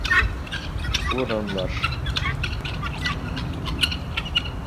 Урынлаш.